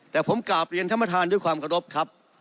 แต่ผมกราบเรียนธรรมธานด้วยความรบครับ